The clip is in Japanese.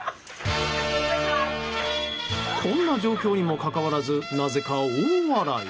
こんな状況にもかかわらずなぜか大笑い。